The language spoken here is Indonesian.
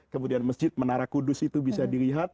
kemudian masjid menara kudus itu bisa dilihat